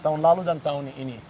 tahun lalu dan tahun ini